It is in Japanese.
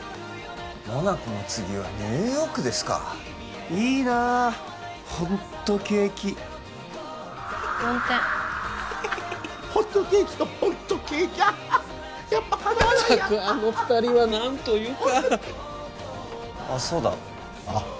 モナコの次はニューヨークですかいいなあホント景気４点ハハハハホットケーキとホント景気やっぱかなわないや全くあの二人は何というかあッそうだあッ？